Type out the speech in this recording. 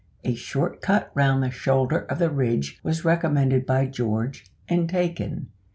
A short cut round the shoulder of the ridge was recommended by George, and taken.